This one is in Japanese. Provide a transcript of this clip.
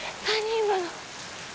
今の。